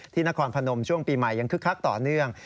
นครพนมช่วงปีใหม่ยังคึกคักต่อเนื่อง